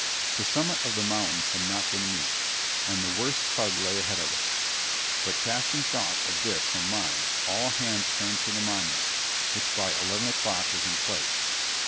The summit of the mountain had not been reached, and the worst tug lay ahead of us. But casting thoughts of this from mind, all hands turned to the monument, which by eleven o'clock was in place.